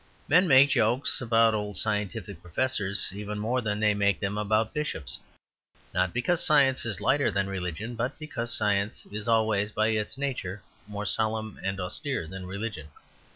Men make jokes about old scientific professors, even more than they make them about bishops not because science is lighter than religion, but because science is always by its nature more solemn and austere than religion.